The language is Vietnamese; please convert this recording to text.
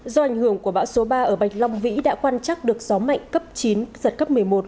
do ảnh hưởng của bão số ba ở bạch long vĩ đã quan trắc được gió mạnh cấp chín giật cấp một mươi một